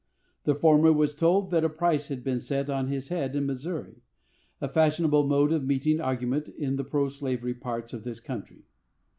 The former was told that a price had been set on his head in Missouri,—a fashionable mode of meeting argument in the pro slavery parts of this country.